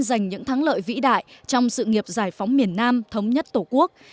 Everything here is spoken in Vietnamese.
giành những thắng lợi vĩ đại trong sự nghiệp giải phóng miền nam thống nhất tổ quốc